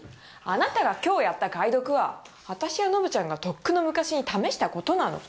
あなたが今日やった解読は私やノブちゃんがとっくの昔に試したことなの。